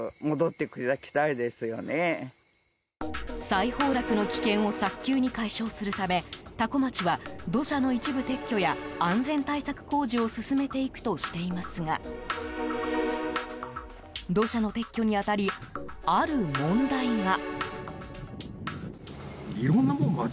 再崩落の危険を早急に解消するため多古町は土砂の一部撤去や安全対策工事を進めていくとしていますが土砂の撤去に当たりある問題が。